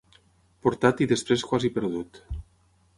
Portat i després quasi perdut.